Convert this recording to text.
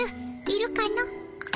いるかの？